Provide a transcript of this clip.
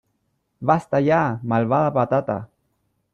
¡ Basta ya , malvada patata !